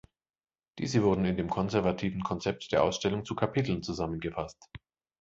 Diese wurden in dem konservativen Konzept der Ausstellung zu Kapiteln zusammengefasst.